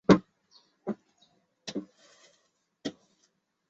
引起哈莱姆文艺复兴的一个重要原因就是美国废除了奴隶制。